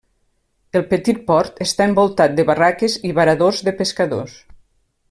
El petit port està envoltat de barraques i varadors de pescadors.